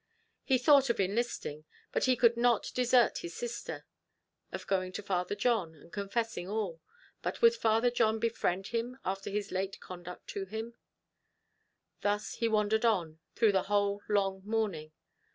He thought of enlisting but he could not desert his sister; of going to Father John, and confessing all; but would Father John befriend him after his late conduct to him? Thus he wandered on, through the whole long morning.